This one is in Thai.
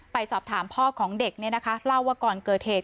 ไปสอบถามพ่อของเด็กเล่าว่าก่อนเกิดเหตุ